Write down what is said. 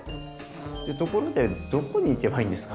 でところでどこに行けばいいんですか？